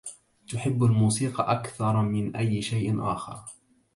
تحب الموسيقى أكثر من أي شيء آخر.